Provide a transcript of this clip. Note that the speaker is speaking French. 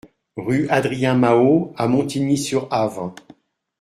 Rue Adrien Mahaut à Montigny-sur-Avre